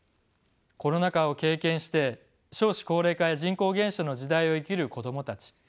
コロナ禍を経験して少子高齢化や人口減少の時代を生きる子どもたち。